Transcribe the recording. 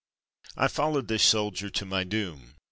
I followed this soldier to my doom.